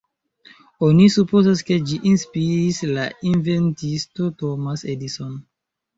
Oni supozas ke ĝi inspiris la inventisto Thomas Edison.